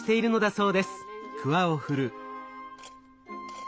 そう？